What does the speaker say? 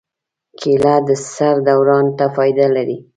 کېله د سر دوران ته فایده لري.